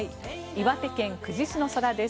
岩手県久慈市の空です。